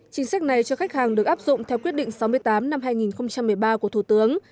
chính sách này cho khách hàng được áp dụng theo quyết định sáu mươi tám năm hai nghìn một mươi ba của thủ tướng